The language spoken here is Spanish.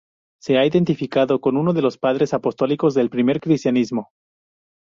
Se ha identificado con uno de los padres apostólicos del primer cristianismo.